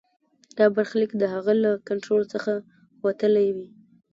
دا برخلیک د هغه له کنټرول څخه وتلی وي.